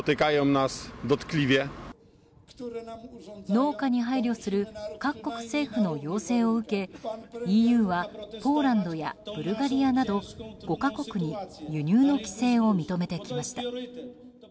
農家に配慮する各国政府の要請を受けＥＵは、ポーランドやブルガリアなど５か国に輸入の規制を認めてきました。